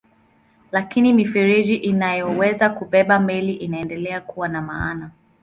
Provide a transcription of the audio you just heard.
Lakini mifereji inayoweza kubeba meli inaendelea kuwa na maana.